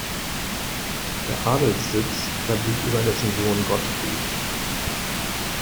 Der Adelssitz verblieb über dessen Sohn Gottfried.